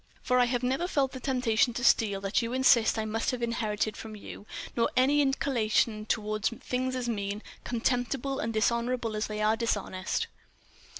For I have never felt the temptation to steal that you insist I must have inherited from you—nor any other inclination toward things as mean, contemptible, and dishonourable as they are dishonest!"